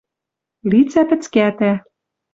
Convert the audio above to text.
лицӓ пӹцкӓтӓ.